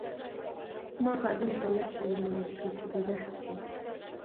ما خادم ته لس لیرې ورکړې چې د ده حق وو.